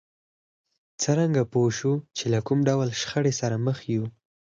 څرنګه پوه شو چې له کوم ډول شخړې سره مخ يو؟